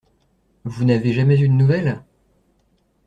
Vous n’avez jamais eu de nouvelles?